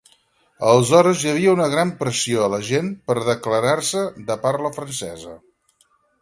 Aleshores hi havia una gran pressió a la gent per a declarar-se de parla francesa.